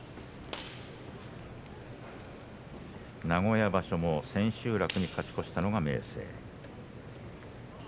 名古屋場所の千秋楽に勝ち越したのは明生。